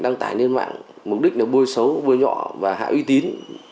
đăng tải lên mạng mục đích là bôi xấu bôi nhọ và hạ uy tín